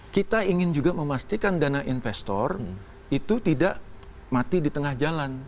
kita ingin juga memastikan dana investor itu tidak mati di tengah jalan